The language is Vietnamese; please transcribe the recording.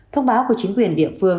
thông báo của chính quyền địa phương